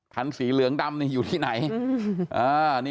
คันสีเหลืองดำอยู่ที่ไหน